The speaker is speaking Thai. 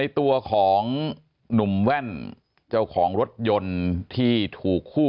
สวัสดีครับ